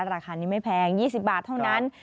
ราคานี้ไม่แพง๒๐บาทเท่านั้น